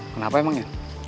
kenapa emang yan